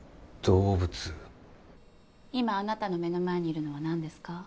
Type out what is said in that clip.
今あなたの目の前にいるのは何ですか？